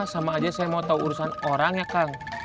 sama aja saya mau tahu urusan orang ya kang